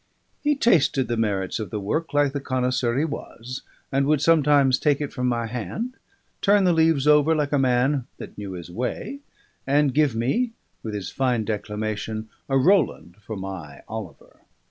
He tasted the merits of the work like the connoisseur he was; and would sometimes take it from my hand, turn the leaves over like a man that knew his way, and give me, with his fine declamation, a Roland for my Oliver.